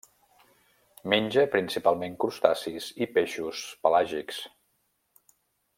Menja principalment crustacis i peixos pelàgics.